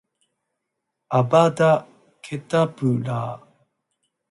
アバダ・ケタブラぁ！！！